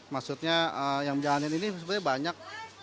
maksudnya yang jalanin ini sebenarnya banyak